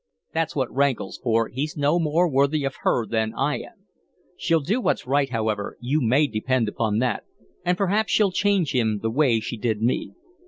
That's what rankles, for he's no more worthy of her than I am. She'll do what's right, however, you may depend upon that, and perhaps she'll change him the way she did me.